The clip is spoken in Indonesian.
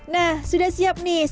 nah sudah siap nih